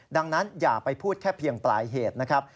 ดังนั้นอย่าไปพูดแค่เพียงปลายเหตุนะครับ